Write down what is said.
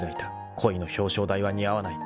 ［恋の表彰台は似合わない。